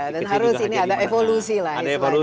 dan harus ini ada evolusi lah